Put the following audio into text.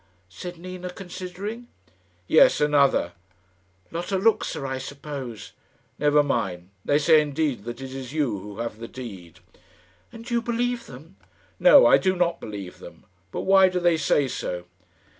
said Nina, considering. "Yes, another." "Lotta Luxa, I suppose." "Never mind. They say indeed that it is you who have the deed." "And you believe them?" "No, I do not believe them. But why do they say so?"